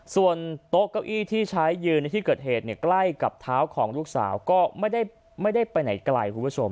ส่วนโต๊ะเก้าอี้ที่ใช้ยืนในที่เกิดเหตุเนี่ยใกล้กับเท้าของลูกสาวก็ไม่ได้ไปไหนไกลคุณผู้ชม